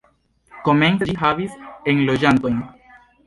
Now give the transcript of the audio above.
Komence de ĝi havis enloĝantojn.